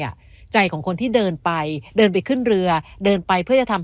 อ่ะใจของคนที่เดินไปเดินไปขึ้นเรือเดินไปเพื่อจะทำ